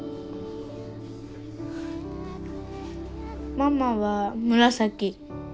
ママは紫。